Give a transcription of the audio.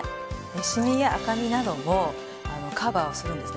シミや赤みなどもカバーをするんですね。